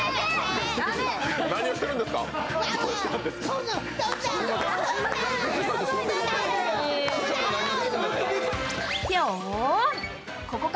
何をしてるんですか？